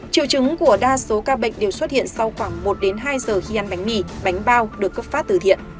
triệu chứng của đa số ca bệnh đều xuất hiện sau khoảng một đến hai giờ khi ăn bánh mì bánh bao được cấp phát từ thiện